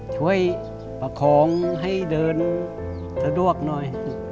ช่วยประคองให้เดินสะดวกหน่อย